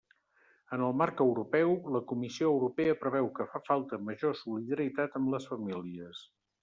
En el marc europeu, la Comissió Europea preveu que fa falta major solidaritat amb les famílies.